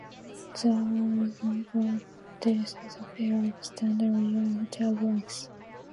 The algorithm produces a pair of standard Young tableaux.